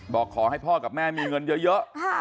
บอกขอให้พ่อกับแม่มีเงินเยอะ